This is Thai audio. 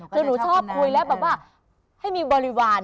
คือหนูชอบคุยแล้วแบบว่าให้มีบริวาร